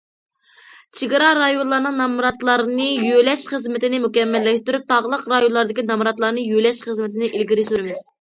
چېگرا رايونلارنىڭ نامراتلارنى يۆلەش خىزمىتىنى مۇكەممەللەشتۈرۈپ، تاغلىق رايونلاردىكى نامراتلارنى يۆلەش خىزمىتىنى ئىلگىرى سۈرىمىز.